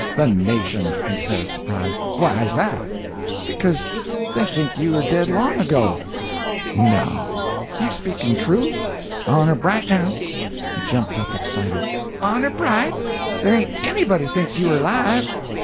"The nation!" he says, surprised; "why is that?" "Because they think you are dead long ago." "No! Are you speaking true?—honor bright, now." He jumped up, excited. "Honor bright. There ain't anybody thinks you are alive."